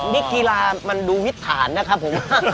นี่กีฬามันดูวิถานนะครับผม